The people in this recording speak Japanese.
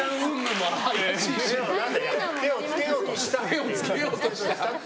手を付けようとした。